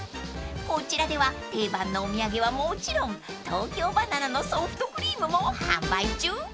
［こちらでは定番のお土産はもちろん東京ばな奈のソフトクリームも販売中］